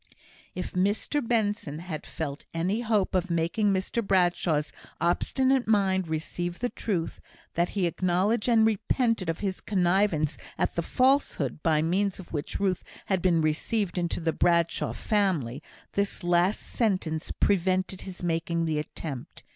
If Mr Benson had felt any hope of making Mr Bradshaw's obstinate mind receive the truth, that he acknowledged and repented of his connivance at the falsehood by means of which Ruth had been received into the Bradshaw family, this last sentence prevented his making the attempt.